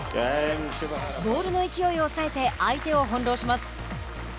ボールの勢いを抑えて相手を翻弄します。